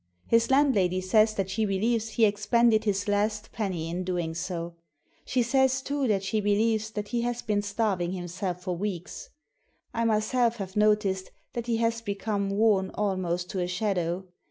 His landlady says that she believes he expended his last penny in doing so. She says, too, that she believes that he has been starving himself for weeks. I myself have noticed that he has become worn almost to a shadow.